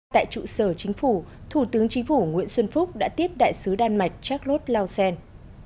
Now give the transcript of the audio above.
tại trụ sở chính phủ thủ tướng chính phủ nguyễn xuân phúc đã tiếp đại sứ đan mạch charles lausanne